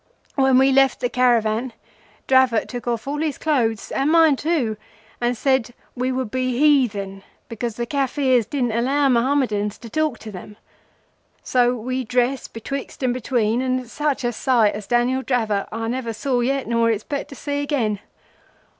When we left the caravan, Dravot took off all his clothes and mine too, and said we would be heathen, because the Kafirs didn't allow Mohammedans to talk to them. So we dressed betwixt and between, and such a sight as Daniel Dravot I never saw yet nor expect to see again.